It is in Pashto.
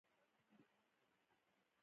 دا ونې د میوو ډکې دي.